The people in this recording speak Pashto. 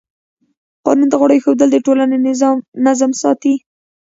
قانون ته غاړه ایښودل د ټولنې نظم ساتي.